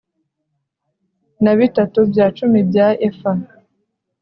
na bitatu bya cumi bya efa